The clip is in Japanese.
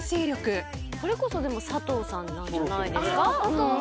これこそ佐藤さんなんじゃないですか？